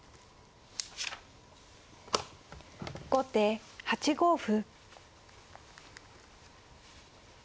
後手８五歩。